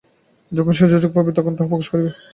যখন সে সুযোগ পাইবে, তখন তাহা প্রকাশ করিবে।